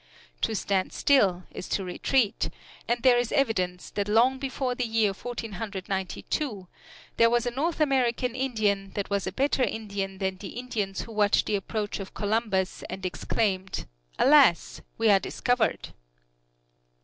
To stand still is to retreat, and there is evidence that long before the year Fourteen Hundred Ninety two, there was a North American Indian that was a better Indian than the Indians who watched the approach of Columbus and exclaimed, "Alas! we are discovered!"